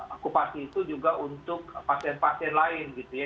akupasi itu juga untuk pasien pasien lain gitu ya